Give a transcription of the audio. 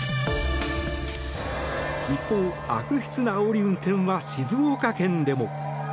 一方、悪質なあおり運転は静岡県でも。